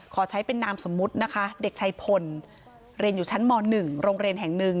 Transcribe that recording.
ขอใช้เป็นนามสมมุตินะคะเด็กชายพลเรียนอยู่ชั้นม๑โรงเรียนแห่งหนึ่ง